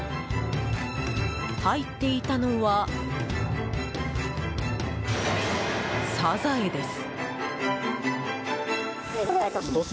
入っていたのは、サザエです。